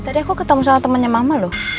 pak tadi aku ketemu soal temennya mama loh